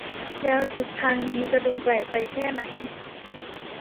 แล้วทิศทางนี้จะดูแปลกไปแค่ไหน